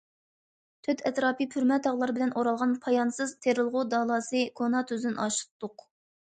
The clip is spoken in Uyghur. تۆت ئەتراپى پۈرمە تاغلار بىلەن ئورالغان پايانسىز تېرىلغۇ دالاسى كونا تۈزدىن ئاشتۇق.